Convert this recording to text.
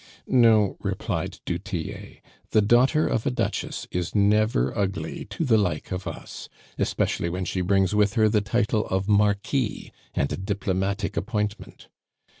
"No," replied du Tillet, "the daughter of a duchess is never ugly to the like of us, especially when she brings with her the title of Marquis and a diplomatic appointment.